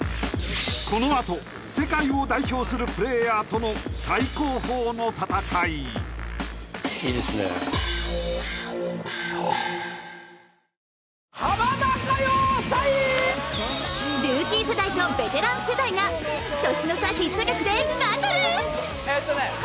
このあと世界を代表するプレイヤーとの最高峰の戦いいいですね